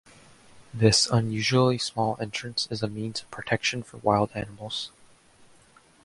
This unusually small entrance is a means of protection from wild animals.